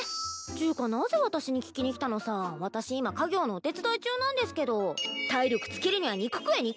ちゅーかなぜ私に聞きに来たのさ私今家業のお手伝い中なんですけど体力つけるには肉食え肉！